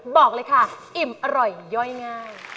บอกเลยค่ะอิ่มอร่อยย่อยง่าย